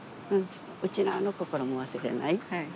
うちなーの心も忘れない。